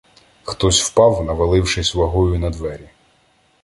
Хтось впав, навалившись вагою на двері.